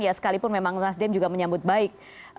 ya sekalipun memang nasdem juga menyambut baik